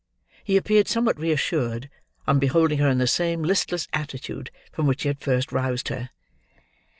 He appeared somewhat reassured, on beholding her in the same listless attitude from which he had first roused her.